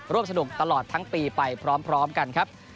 สนุกตลอดทั้งปีไปพร้อมกันครับ